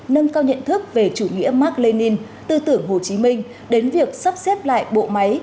nâng cao nhận thức về chủ nghĩa mark lenin tư tưởng hồ chí minh đến việc sắp xếp lại bộ máy